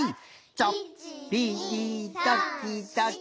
「ちょっぴりどきどき」